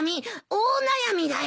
大悩みだよ！